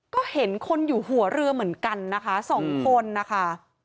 ก็เห็นคนอยู่หัวเรือเหมือนกันนะคะสองคนนะคะ